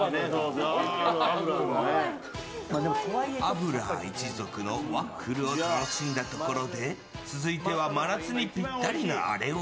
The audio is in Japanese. アブラー一族のワッフルを楽しんだところで続いては真夏にピッタリなあれを。